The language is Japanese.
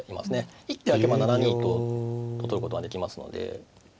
一手あけば７二とと取ることができますので。